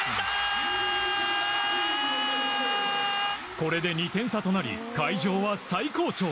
これで２点差となり会場は最高潮。